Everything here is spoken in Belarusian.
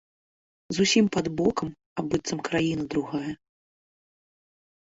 Зусім пад бокам, а быццам краіна другая.